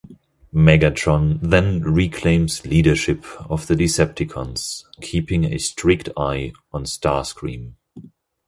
Megatron then reclaims leadership of the Decepticons, keeping a strict eye on Starscream.